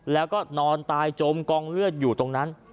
แล้วก็นอนตายจมกองเลือดอยู่ตรงนั้น